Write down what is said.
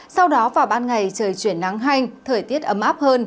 sau đó vào ban ngày trời chuyển nắng hanh thời tiết ấm áp hơn